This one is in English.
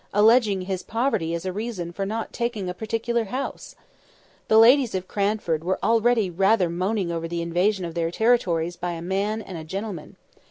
alleging his poverty as a reason for not taking a particular house. The ladies of Cranford were already rather moaning over the invasion of their territories by a man and a gentleman.